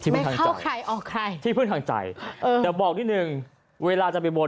ไม่เข้าใครออกใครแต่บอกนิดหนึ่งเวลาจะไปบน